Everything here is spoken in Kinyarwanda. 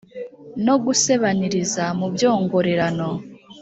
no gusebaniriza mu byongorerano,